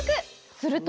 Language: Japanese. すると？